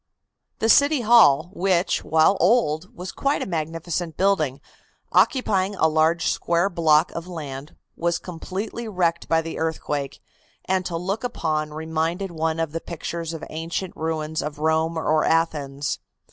"The City Hall, which, while old, was quite a magnificent building, occupying a large square block of land, was completely wrecked by the earthquake, and to look upon reminded one of the pictures of ancient ruins of Rome or Athens.